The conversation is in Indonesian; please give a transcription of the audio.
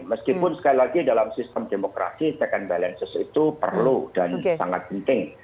meskipun sekali lagi dalam sistem demokrasi check and balances itu perlu dan sangat penting